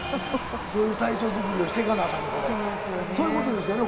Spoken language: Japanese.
そういう体調作りをしていかないとあかんのや、そういうことですよね。